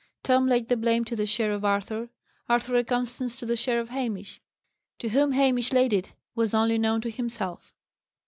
Tom laid the blame to the share of Arthur; Arthur and Constance to the share of Hamish. To whom Hamish laid it, was only known to himself.